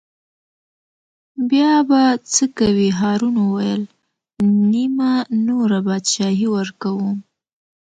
بیا به څه کوې هارون وویل: نیمه نوره بادشاهي ورکووم.